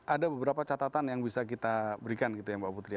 ada beberapa catatan yang bisa kita berikan mbak putri